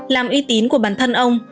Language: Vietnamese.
làm y tín của bản thân ông